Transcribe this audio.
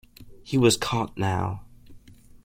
He was caught now.